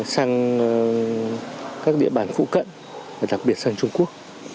sang các địa bàn phụ cận đặc biệt sang trung quốc